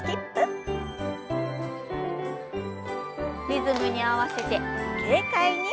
リズムに合わせて軽快に。